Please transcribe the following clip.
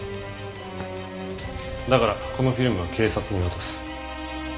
だからこのフィルムは警察に渡す。